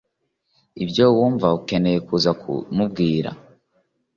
ibyo wumva ukeneye kuza kumubwira